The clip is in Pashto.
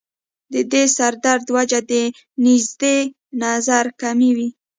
د دې سر درد وجه د نزدې نظر کمی وي